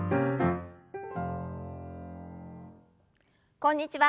こんにちは。